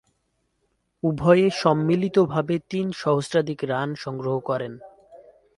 উভয়ে সম্মিলিতভাবে তিন সহস্রাধিক রান সংগ্রহ করেন।